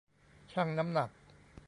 ชั่งน้ำหนัก